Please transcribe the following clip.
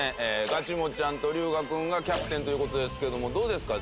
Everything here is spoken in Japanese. ガチもっちゃんと龍我君がキャプテンという事ですけどもどうですか？